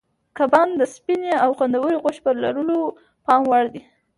کبان د سپینې او خوندورې غوښې په لرلو پام وړ دي.